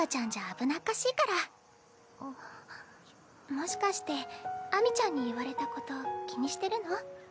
もしかして秋水ちゃんに言われたこと気にしてるの？